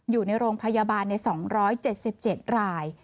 อยู่ในโรงพยาบาลใน๒๗๗ราย